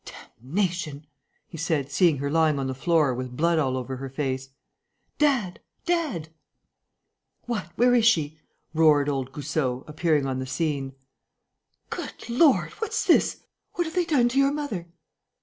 "Damnation!" he said, seeing her lying on the floor, with blood all over her face. "Dad! Dad!" "What? Where is she?" roared old Goussot, appearing on the scene. "Good lord, what's this?... What have they done to your mother?"